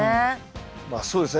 まあそうですね。